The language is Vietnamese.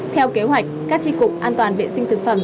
theo kế hoạch các tri cục an toàn vệ sinh thực phẩm